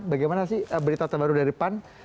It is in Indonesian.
bagaimana sih berita terbaru dari pan